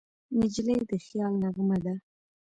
نجلۍ د خیال نغمه ده.